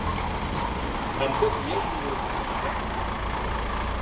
Em pot dir els números de compte?